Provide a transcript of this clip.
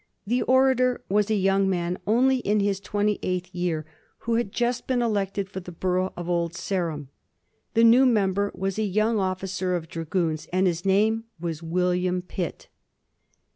The orator was a young man, only in* his twenty eighth year, who had just been elected for the borough of Old Sarum. The new member was a young officer of dra 1786. WILLIAM PITT. 53 goons, and his name was William Pitt.